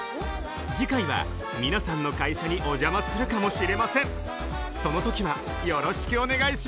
次回は皆さんの会社にお邪魔するかもしれませんそのときはよろしくお願いします